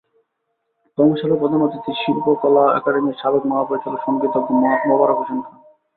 কর্মশালার প্রধান অতিথি শিল্পকলা একাডেমীর সাবেক মহাপরিচালক সংগীতজ্ঞ মোবারক হোসেন খান।